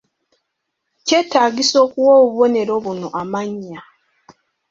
Kyetaagisa okuwa obubonero buno amannya